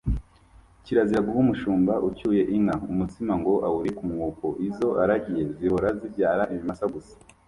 Kirazira guha umushumba ucyuye inka umutsima ngo awurire ku mwuko, izo aragiye zihora zibyara ibimasa gusa.